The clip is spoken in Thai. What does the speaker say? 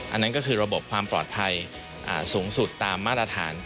อันนั้นก็คือระบบความปลอดภัยสูงสุดตามมาตรฐาน